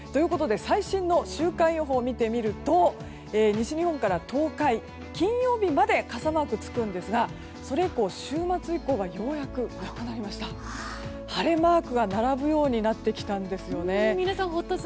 最新の週間予報を見てみると西日本から東海は金曜日まで傘マークがつくんですがそれ以降、週末以降はようやく晴れマークが並ぶようになってきたんですね。